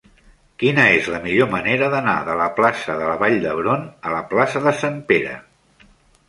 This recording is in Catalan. Quina és la millor manera d'anar de la plaça de la Vall d'Hebron a la plaça de Sant Pere?